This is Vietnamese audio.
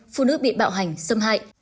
phụ nữ bị bạo hành xâm hại